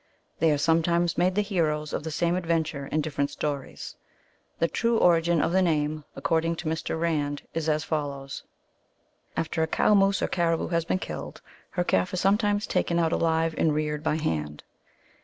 They are sometimes made the heroes of the same adventure in different stories. The true origin of the name, according to Mr. Rand, is as follows :" After a cow moose or caribou has been killed, her calf is some times taken out alive, and reared by hand.